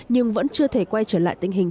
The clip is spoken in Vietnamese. nhưng vẫn chưa thể quay trở lại tình hình